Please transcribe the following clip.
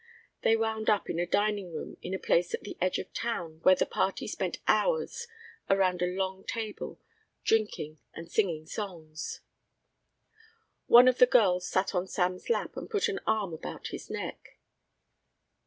They wound up in a diningroom in a place at the edge of town, where the party spent hours around a long table, drinking, and singing songs. One of the girls sat on Sam's lap and put an arm about his neck.